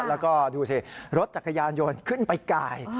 แล้วก็ดูสิรถจักรยานยนต์ขึ้นไปกาย